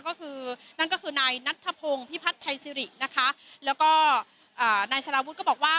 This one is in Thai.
ก็คือนั่นก็คือนายนัทธพงศ์พิพัฒน์ชัยสิรินะคะแล้วก็อ่านายสารวุฒิก็บอกว่า